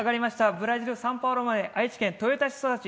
ブラジル・サンパウロから愛知県豊田市育ち